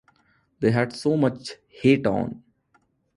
They had so much hate on.